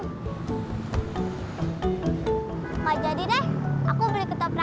gak jadi deh aku beli ketoprak aja